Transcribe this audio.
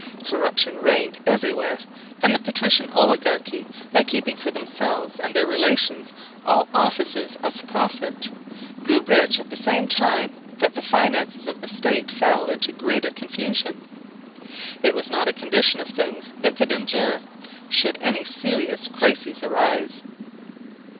Corruption reigned everywhere; and the patrician oligarchy, by keeping for themselves and their relations all offices of profit, grew rich at the same time that the finances of the State fell into greater confusion. It was not a condition of things that could endure, should any serious crisis arise.